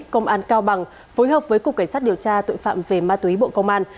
công an cao bằng phối hợp với cục cảnh sát điều tra tội phạm về ma túy bộ công an